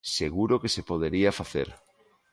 Seguro que se podería facer.